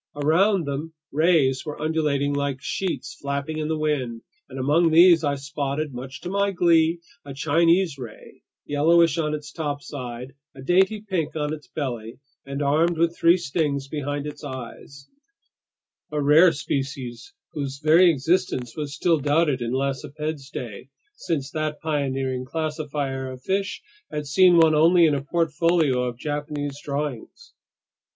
Around them, rays were undulating like sheets flapping in the wind, and among these I spotted, much to my glee, a Chinese ray, yellowish on its topside, a dainty pink on its belly, and armed with three stings behind its eyes; a rare species whose very existence was still doubted in Lacépède's day, since that pioneering classifier of fish had seen one only in a portfolio of Japanese drawings.